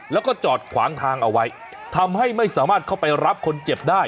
แล้วก็จอดขวางทางเอาไว้ทำให้ไม่สามารถเข้าไปรับคนเจ็บได้